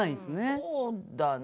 そうだな。